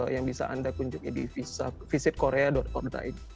yang bisa anda kunjungi di visitkorea org